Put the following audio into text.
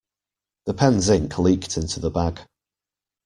The pen's ink leaked into the bag.